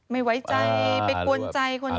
ไม่ไหวใจไปกวนใจคนเช่า